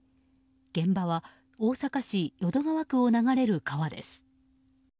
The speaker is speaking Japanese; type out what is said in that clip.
現場は大阪市淀川区を流れる川です。